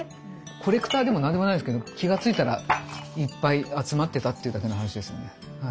コレクターでも何でもないんですけど気が付いたらいっぱい集まってたっていうだけの話ですよね。